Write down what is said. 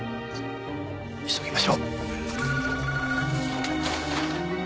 急ぎましょう。